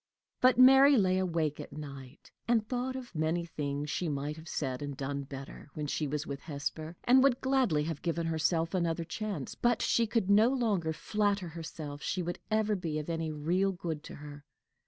But Mary lay awake at night, and thought of many things she might have said and done better when she was with Hesper, and would gladly have given herself another chance; but she could no longer flatter herself she would ever be of any real good to her.